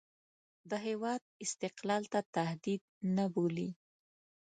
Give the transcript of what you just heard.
د هېواد استقلال ته تهدید نه بولي.